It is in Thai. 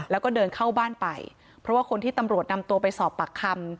แล้วก็เดินเข้าบ้านไปเพราะว่าคนที่ตำรวจนำตัวไปสอบปากคำ